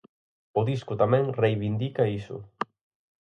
O disco tamén reivindica iso.